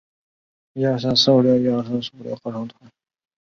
这个城市还有一个交响乐团和合唱团。